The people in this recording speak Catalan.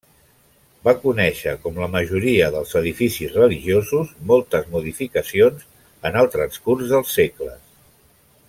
Va conèixer, com la majoria dels edificis religiosos, moltes modificacions en el transcurs dels segles.